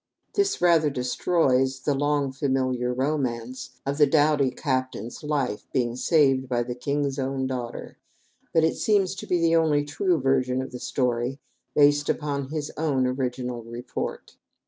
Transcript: This rather destroys the long familiar romance of the doughty captain's life being saved by "the king's own daughter," but it seems to be the only true version of the story, based upon his own original report.